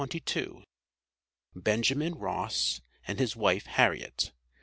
BENJAMIN ROSS, AND HIS WIFE HARRIET.